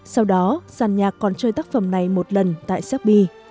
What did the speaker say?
sau đó giả nhạc còn chơi tác phẩm này một lần tại sepi